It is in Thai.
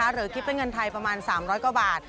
หรือคิดเป็นเงินไทยประมาณ๓๐๐กว่าบาท